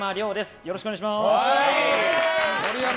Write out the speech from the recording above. よろしくお願いします。